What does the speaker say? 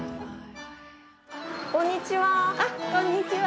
こんにちは。